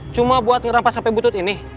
cuma buat ngerampas sampai butut ini